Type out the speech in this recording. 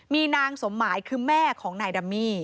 มีนางสมหมายคือแม่ของนายดัมมี่